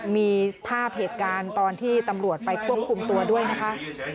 มีภาพเหตุการณ์ตอนที่ตำรวจไปควบคุมตัวด้วยนะคะ